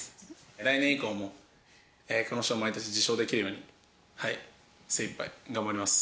来年以降も、この賞を毎年受賞できるように、精いっぱい頑張ります。